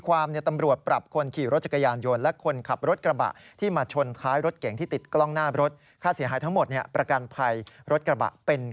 คือมันก็ลื่นนะฝนปลงตกมา